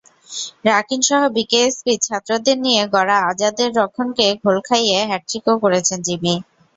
রাকিনসহ বিকেএসপির ছাত্রদের নিয়ে গড়া আজাদের রক্ষণকে ঘোল খাইয়ে হ্যাটট্রিকও করেছেন জিমি।